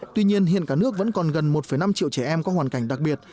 tuy nhiên hiện cả nước vẫn còn gần một năm triệu trẻ em có hoàn cảnh đặc biệt